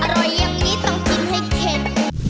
อร่อยอย่างนี้ต้องกินให้เค็ด